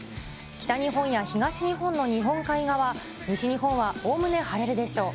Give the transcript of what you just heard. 北日本や東日本の日本海側、西日本はおおむね晴れるでしょう。